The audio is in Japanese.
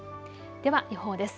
では予報です。